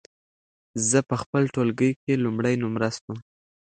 زه په خپل ټولګي کې لومړی نمره سوم.